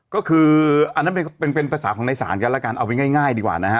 ก็คืออันนั้นเป็นภาษาของในศาลกันแล้วกันเอาไปง่ายดีกว่านะฮะ